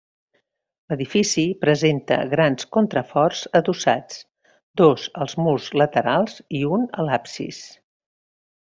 L'edifici presenta grans contraforts adossats, dos als murs laterals i un a l'absis.